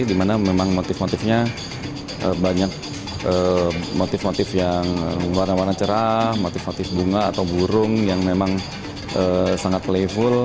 dimana memang motif motifnya banyak motif motif yang warna warna cerah motif motif bunga atau burung yang memang sangat playful